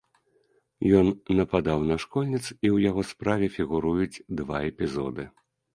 Ён нападаў на школьніц і у яго справе фігуруюць два эпізоды.